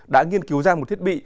đã nghiên cứu ra một thiết bị